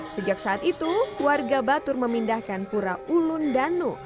sejak saat itu warga batur memindahkan pura ulun danu